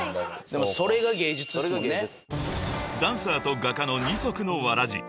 ［ダンサーと画家の二足のわらじ］